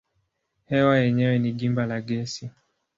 Hewa yenyewe ni gimba la gesi.